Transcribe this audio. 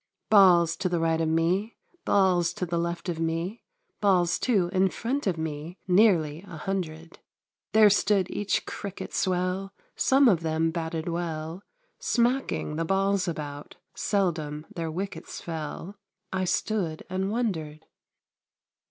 Balls to the right of me ! Balls to the left of me ! Balls, too, in front of me ! Nearly a hundred ! There stood each cricket swell, Some of them batted well, Smacking the balls about ; Seldom their wickets fell ; I stood and wondered